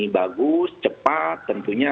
bagus cepat tentunya